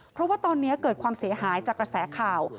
เพราะว่าตอนนี้เกิดความเสียหายจากกระแสข่าว